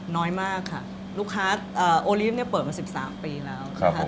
น้อยมากค่ะโอลีทเนี่ยเปิดมา๑๓ปีแล้วค่ะครับ